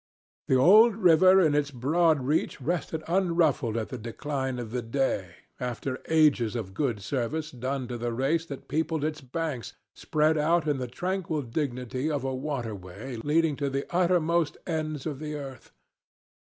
The old river in its broad reach rested unruffled at the decline of day, after ages of good service done to the race that peopled its banks, spread out in the tranquil dignity of a waterway leading to the uttermost ends of the earth.